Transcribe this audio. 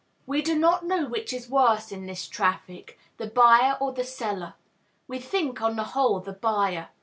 We do not know which is worse in this traffic, the buyer or the seller; we think, on the whole, the buyer.